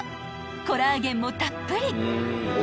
［コラーゲンもたっぷり］